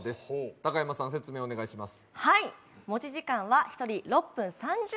高山さん、説明をお願いします。